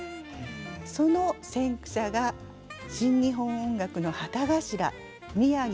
その先駆者が新日本音楽の旗頭宮城道雄です。